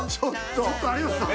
ちょっと有吉さん。